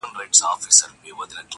o په بدلو څوک نه لوئېږي!